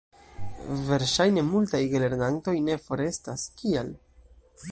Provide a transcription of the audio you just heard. Verŝajne multaj gelernantoj ne forrestas. Kial?